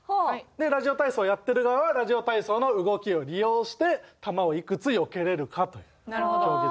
ラジオ体操やってる側はラジオ体操の動きを利用して球をいくつよけれるかという競技でございます。